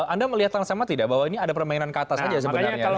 anda melihat yang sama tidak bahwa ini ada permainan ke atas saja sebenarnya